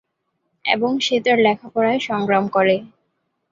এবং সে তার পড়ালেখায় সংগ্রাম করে।